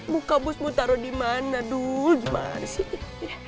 muka bos mau taro dimana dulu gimana sih